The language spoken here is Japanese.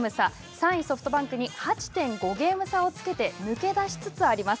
３位ソフトバンクに８．５ゲーム差をつけて抜け出しつつあります。